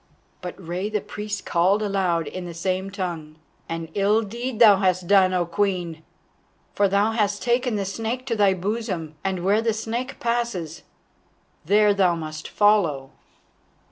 But Rei the Priest called aloud in the same tongue: "An ill deed thou hast done, O Queen, for thou hast taken the Snake to thy bosom, and where the Snake passes there thou must follow."